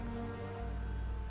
dengan kendaraan lain yang lebih besar